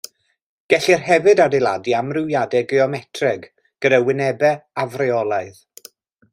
Gellir hefyd adeiladu amrywiadau geometrig gydag wynebau afreolaidd.